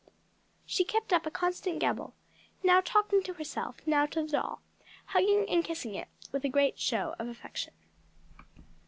She kept up a constant gabble, now talking to herself, now to the doll, hugging and kissing it with a great show of affection.